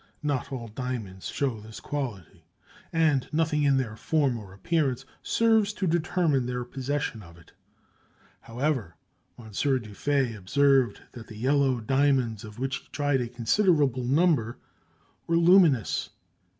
Not all diamonds show this quality, and nothing in their form or appearance serves to determine their possession of it. However, Mons. du Fay observed that the yellow diamonds, of which he tried a considerable number, were luminous.